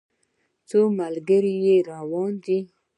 څو ملګري را روان دي.